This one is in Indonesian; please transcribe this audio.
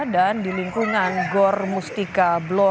dan di lingkungan gor mustika